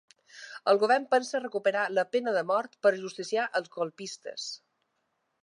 El govern pensa a recuperar la pena de mort per ajusticiar els colpistes.